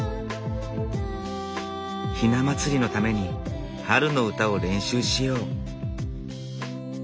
ひな祭りのために春の歌を練習しよう。